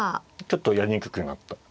ちょっとやりにくくなった。